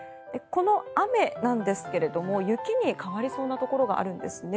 この雨なんですが雪に変わりそうなところがあるんですね。